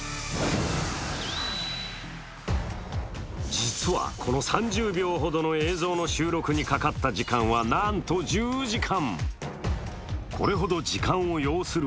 実は、この３０秒ほどの映像の収録にかかった時間は、なんと１０時間。